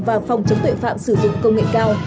và phòng chống tội phạm sử dụng công nghệ cao